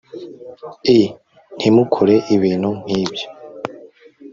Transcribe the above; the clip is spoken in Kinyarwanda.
i ntimukore ibintu nk'ibyo